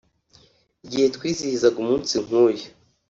“Igihe twizihizaga umunsi nk’uyu